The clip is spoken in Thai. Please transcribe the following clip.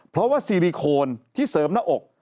เพราะว่าซีริโคนที่เสริมหน้าอก